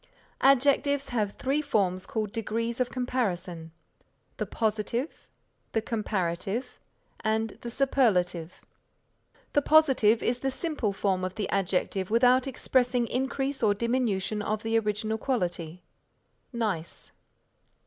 Adjectives have three forms called degrees of comparison, the positive, the comparative and the superlative. The positive is the simple form of the adjective without expressing increase or diminution of the original quality: nice.